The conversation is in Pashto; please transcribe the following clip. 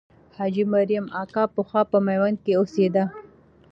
حاجي مریم اکا پخوا په میوند کې اوسېده.